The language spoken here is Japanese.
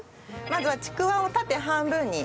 まずはちくわを縦半分に。